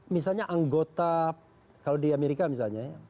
misalnya anggota kalau di amerika misalnya ya